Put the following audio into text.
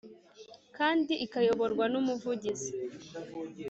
kandi ikayoborwa n Umuvugizi